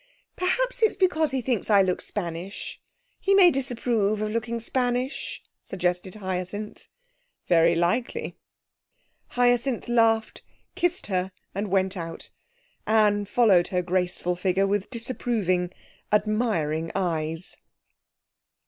'Perhaps it's because he thinks I look Spanish. He may disapprove of looking Spanish,' suggested Hyacinth. 'Very likely.' Hyacinth laughed, kissed her, and went out. Anne followed her graceful figure with disapproving, admiring eyes.